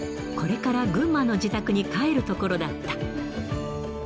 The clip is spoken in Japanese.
これから群馬の自宅に帰るところだった。